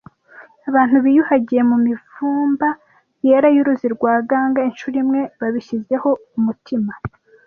Abantu biyuhagiye mu mivumba yera y’uruzi rwa Ganga incuro imwe babishyizeho umutima,